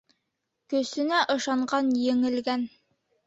Көсөнә ышанған еңелгән.